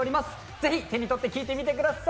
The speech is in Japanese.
ぜひ、手にとって聴いてみてください。